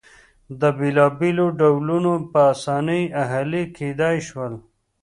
دا بېلابېل ډولونه په اسانۍ اهلي کېدای شول